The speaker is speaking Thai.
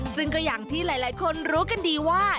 ซึ่งก็อย่างที่หลายคนรู้กันดีว่า